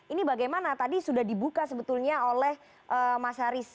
ini bagaimana tadi sudah dibuka sebetulnya oleh mas haris